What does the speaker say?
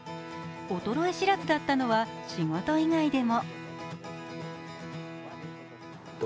衰え知らずだったのは仕事以外でも。